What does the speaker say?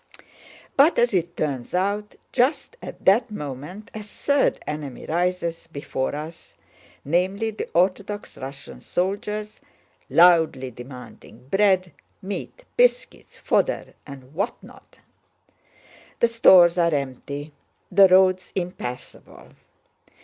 But as it turns out, just at that moment a third enemy rises before us—namely the Orthodox Russian soldiers, loudly demanding bread, meat, biscuits, fodder, and whatnot! The stores are empty, the roads impassable.